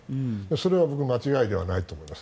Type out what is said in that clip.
それは僕、間違いではないと思います。